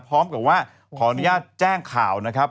พร้อมกับว่าขออนุญาตแจ้งข่าวนะครับ